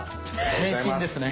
変身ですね。